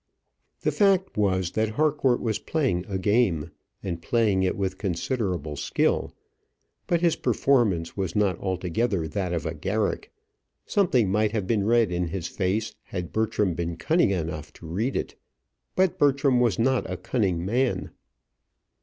The fact was, that Harcourt was playing a game, and playing it with considerable skill, but his performance was not altogether that of a Garrick. Something might have been read in his face had Bertram been cunning enough to read it. But Bertram was not a cunning man.